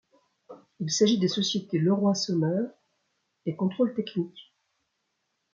Il s'agit des sociétés Leroy-Somer et Control Techniques.